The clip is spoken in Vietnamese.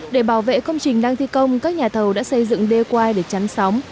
để bảo vệ công trình đang thi công các nhà thầu đã xây dựng đê quai để chắn sóng